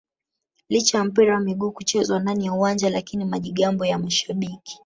licha ya mpira wa miguu kuchezwa ndani ya uwanja lakini majigambo ya mashabiki